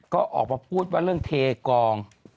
ก็ออกพูดเรื่องเทกอง